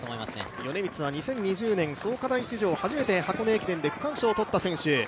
米満は２０２０年創価大史上初めて箱根駅伝で区間賞を取った選手。